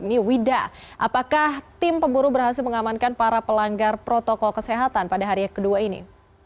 ini wida apakah tim pemburu berhasil mengamankan para pelanggar protokol kesehatan pada hari yang kedua ini